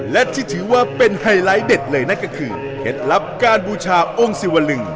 และที่ถือว่าเป็นไฮไลท์เด็ดเลยนั่นก็คือเคล็ดลับการบูชาองค์สิวลึง